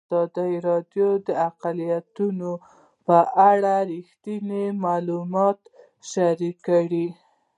ازادي راډیو د اقلیتونه په اړه رښتیني معلومات شریک کړي.